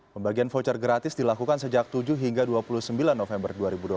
pembagian voucher gratis dilakukan sejak tujuh hingga dua puluh sembilan november dua ribu dua puluh